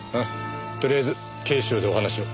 とりあえず警視庁でお話を。